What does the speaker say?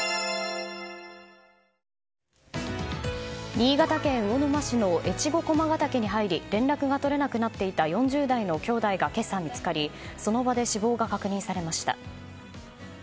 新潟県魚沼市の越後駒ヶ岳に入り連絡が取れなくなっていた４０代の兄弟が今朝、見つかりその場で死亡が確認されました。